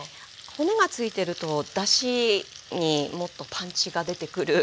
骨がついてるとだしにもっとパンチが出てくるような気がして。